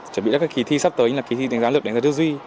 chuẩn bị các kỳ thi sắp tới như là kỳ thi tính giá lực tính giá thư duy